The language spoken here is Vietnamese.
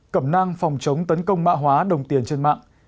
cẩm năng phòng chống tấn công mạng hóa đồng tiền trên mạng